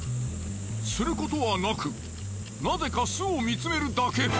することはなくなぜか巣を見つめるだけ。